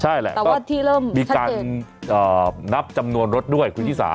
ใช่แหละก็แต่ว่าที่เริ่มชัดเจนมีการนับจำนวนรถด้วยคุณพี่ศา